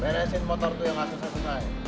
beresin motor tuh yang nggak susah susah ya